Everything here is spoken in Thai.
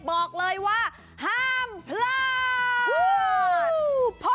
บอกเลยว่าห้ามพลาด